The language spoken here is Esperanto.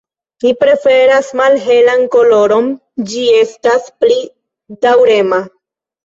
Mi preferas malhelan koloron, ĝi estas pli daŭrema.